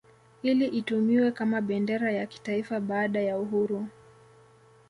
Ili itumiwe kama bendera ya kitaifa baada ya uhuru